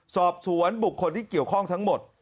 สอบสวนบุคคลที่เกี่ยวข้องทั้งหมด